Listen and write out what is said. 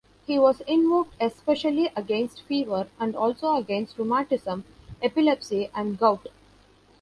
He was invoked especially against fever, and also against rheumatism, epilepsy, and gout.